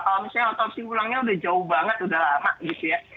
yang mau dicari apakah otopsi ulangnya sudah jauh banget sudah lama gitu ya